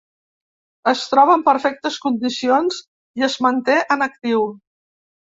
Es troba en perfectes condicions i es manté en actiu.